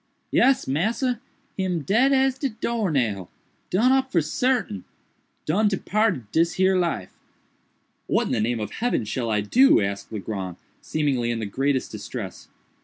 "Yes, massa, him dead as de door nail—done up for sartain—done departed dis here life." "What in the name heaven shall I do?" asked Legrand, seemingly in the greatest distress.